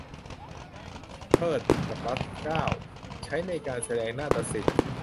เทริดกับรัดเกล้า ใช้ในการแสดงนาฎศิลป์